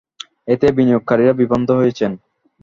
এতে বিনিয়োগকারীরা বিভ্রান্ত হয়েছেন।